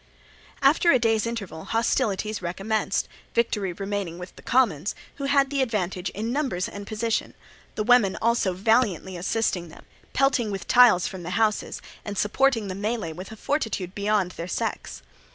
After a day's interval hostilities recommenced, victory remaining with the commons, who had the advantage in numbers and position, the women also valiantly assisting them, pelting with tiles from the houses, and supporting the melee with a fortitude beyond their sex.